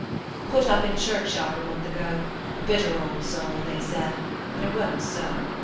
Put up in churchyard a month ago, " A bitter old soul," they said, but it wadn't so.